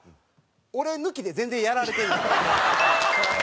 俺抜きで全然やられてんねん。